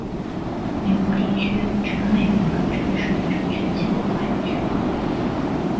美国地区指的美国的正式政权机构外的区划。